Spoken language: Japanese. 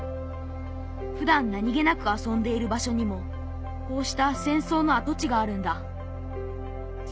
ふだん何気なく遊んでいる場所にもこうした戦争の跡地があるんだ。